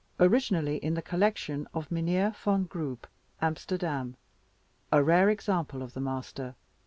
Originally in the collection of Mynheer Van Grubb. Amsterdam. A rare example of the master.